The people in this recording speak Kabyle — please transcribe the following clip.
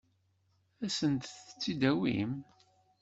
Ad sent-tt-id-awin?